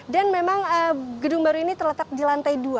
dan memang gedung baru ini terletak di lantai dua